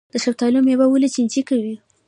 د شفتالو میوه ولې چینجي کوي؟